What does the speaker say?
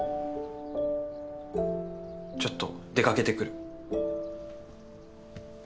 ちょっと出掛けてくる。